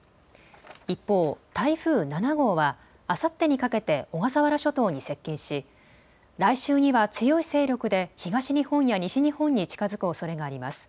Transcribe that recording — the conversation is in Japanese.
一方、台風７号はあさってにかけて小笠原諸島に接近し来週には強い勢力で東日本や西日本に近づくおそれがあります。